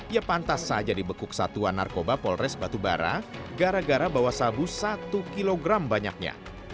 ya pantas saja dibekuk satuan narkoba polres batubara gara gara bawa sabu satu kg banyaknya